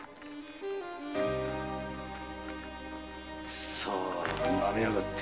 クソ−なめやがって！